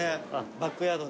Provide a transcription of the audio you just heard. バックヤードで。